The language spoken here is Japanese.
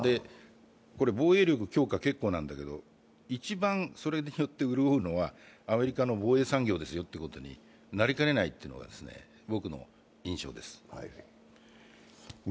防衛力強化、結構なんだけど、一番それで潤うのは、アメリカの防衛産業ですよってことになりかねないというのが僕の印象です。